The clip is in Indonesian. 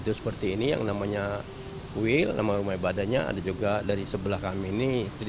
itu seperti ini yang namanya will nama rumah ibadahnya ada juga dari sebelah kami ini